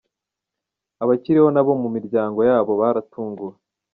Abakiriho n’abo mu miryango yabo baratunguwe!.